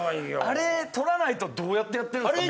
あれ取らないとどうやってやってるんですか？